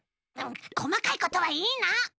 こまかいことはいいの！